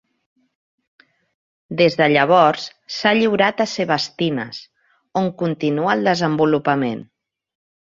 Des de llavors s'ha lliurat a "sebastinas", on continua el desenvolupament.